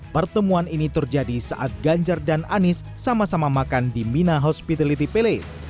pertemuan ini terjadi saat ganjar dan anies sama sama makan di mina hospitality palace